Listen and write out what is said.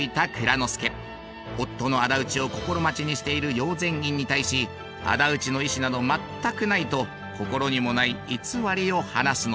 夫の仇討ちを心待ちにしている瑤泉院に対し仇討ちの意思など全くないと心にもない偽りを話すのです。